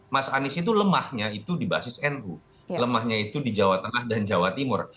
mas anies itu lemahnya itu di basis nu lemahnya itu di jawa tengah dan jawa timur